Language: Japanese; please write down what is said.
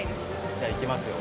じゃあいきますよ。